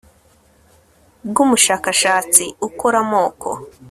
BW UMUSHAKASHATSI UKORA AMOKO